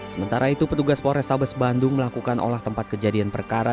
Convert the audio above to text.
sementara itu petugas polrestabes bandung melakukan olah tempat kejadian perkara